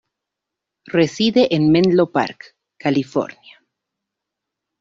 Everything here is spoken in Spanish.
Reside en Menlo Park, California.